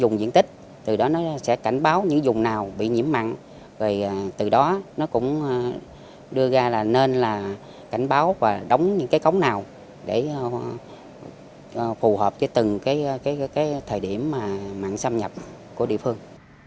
nếu có những vùng nào bị nhiễm mặn từ đó nó cũng đưa ra là nên là cảnh báo và đóng những cái cống nào để phù hợp với từng cái thời điểm mặn xâm nhập của địa phương